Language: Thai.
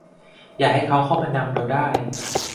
อย่าให้เขามานำเราได้